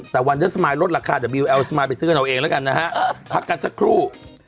แต่วันลดราคาไปซื้อขนาดเราเองแล้วกันนะฮะพักกันสักครู่